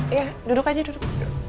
iya duduk aja duduk